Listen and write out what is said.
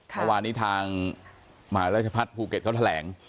เมื่อวานนี้ทางมหาราชพัฒน์ภูเก็ตเขาแถลง